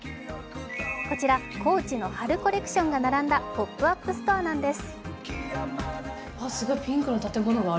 こちら、ＣＯＡＣＨの春コレクションが並んだポップアップストアなんです。